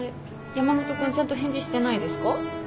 山本君ちゃんと返事してないですか？